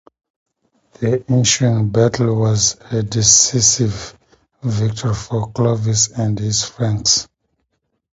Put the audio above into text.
The ensuing battle was a decisive victory for Clovis and his Franks.